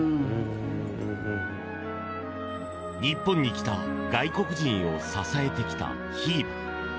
日本に来た外国人を支えてきたひーば。